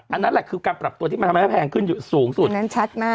อันนั้นแหละคือการปรับตัวที่มันทำให้แพงขึ้นอยู่สูงสุด